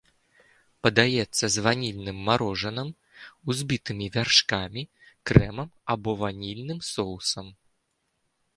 Падаецца з ванільным марожаным, узбітымі вяршкамі, крэмам або ванільным соусам.